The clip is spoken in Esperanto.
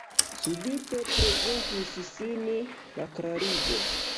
Subite prezentis sin la klarigo.